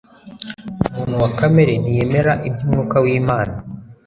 "Umuntu wa kamere ntiyemera iby'Umwuka w'Imana,